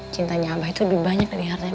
cintanya abah itu lebih banyak dari hartanya